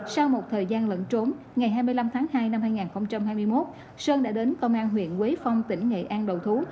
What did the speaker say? sau một thời gian lẫn trốn ngày hai mươi năm tháng hai năm hai nghìn hai mươi một sơn đã đến công an huyện quế phong tỉnh nghệ an đầu thú